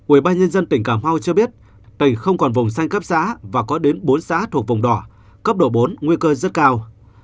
ubnd tỉnh cà mau cho biết tỉnh không còn vùng xanh cấp xã và có đến bốn xã thuộc vùng đỏ cấp độ bốn nguy cơ rất cao